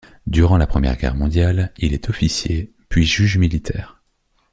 Durant la Première Guerre mondiale, il est officier, puis juge militaire.